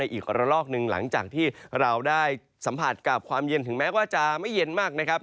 อีกระลอกหนึ่งหลังจากที่เราได้สัมผัสกับความเย็นถึงแม้ว่าจะไม่เย็นมากนะครับ